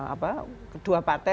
apa kedua partai